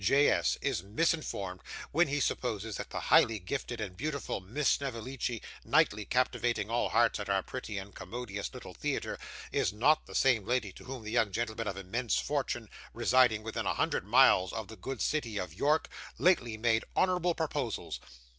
J.S. is misinformed when he supposes that the highly gifted and beautiful Miss Snevellicci, nightly captivating all hearts at our pretty and commodious little theatre, is NOT the same lady to whom the young gentleman of immense fortune, residing within a hundred miles of the good city of York, lately made honourable proposals.